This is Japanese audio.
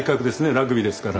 ラグビーですから。